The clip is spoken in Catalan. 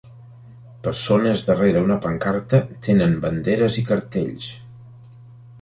Persones darrere una pancarta tenen banderes i cartells.